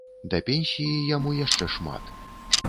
Да пенсіі яму яшчэ шмат.